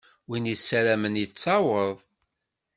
Win yessaramen yettaweḍ.